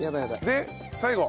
で最後。